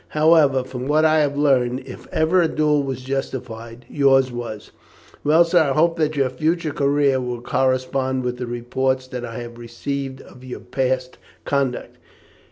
However, from what I have learned, if ever a duel was justified, yours was. Well, sir, I hope that your future career will correspond with the reports that I have received of your past conduct.